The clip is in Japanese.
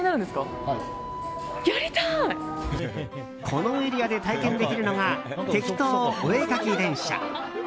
このエリアで体験できるのがてきとお絵かき電車。